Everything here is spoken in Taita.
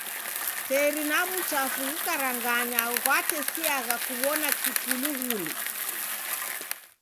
Teri na w'uchafu ghukarangana ghwatesiagha kuw'ona kikulughulu.